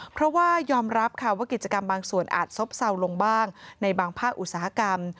เพราะว่ายอมรับค่ะว่ากิจกรรมบางส่วนอาจซบเศร้าลงบ้างในบางภาคอุตสาหกรรม